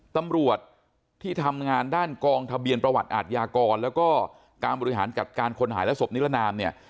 ตำรวจที่ทำงานด้านกองทะเบียนประวัติอาทยากรแล้วก็การบริหารจัดการคนหายและศพนิรนามเนี่ย